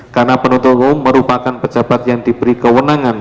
karena penutup umum merupakan pejabat yang diberi kewenangan